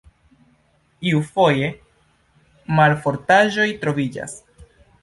Iufoje malfortaĵoj troviĝas.